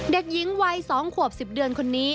เด็กหญิงวัย๒ขวบ๑๐เดือนคนนี้